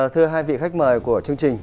thưa hai vị khách mời của chương trình